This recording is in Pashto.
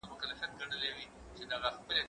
زه اوږده وخت کالي وچوم وم!!